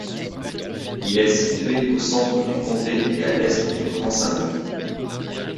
Il est situé au centre du comté et à l'est du Grand Saint-Louis.